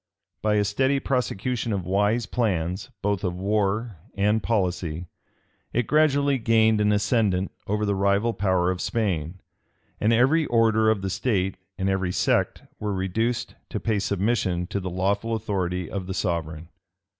By a steady prosecution of wise plans, both of war and policy, it gradually gained an ascendant over the rival power of Spain; and every order of the state, and every sect, were reduced to pay submission to the lawful authority of the sovereign.